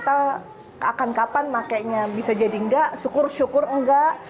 akan kapan makanya bisa jadi nggak syukur syukur nggak